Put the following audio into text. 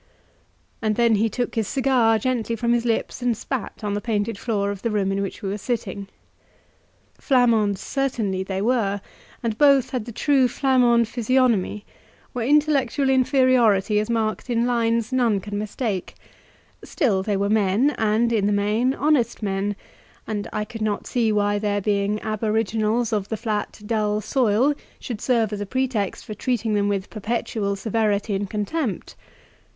And then he took his cigar gently from his lips and spat on the painted floor of the room in which we were sitting. Flamands certainly they were, and both had the true Flamand physiognomy, where intellectual inferiority is marked in lines none can mistake; still they were men, and, in the main, honest men; and I could not see why their being aboriginals of the flat, dull soil should serve as a pretext for treating them with perpetual severity and contempt.